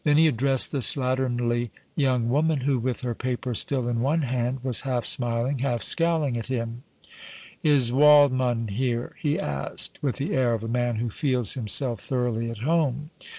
Then he addressed the slatternly young woman, who, with her paper still in one hand, was half smiling, half scowling at him. "Is Waldmann here?" he asked, with the air of a man who feels himself thoroughly at home.